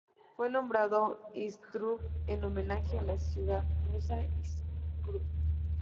Fue nombrado Irkutsk en homenaje a la ciudad rusa Irkutsk.